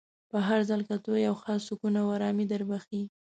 په هر ځل کتو یو خاص سکون او ارامي در بخښي.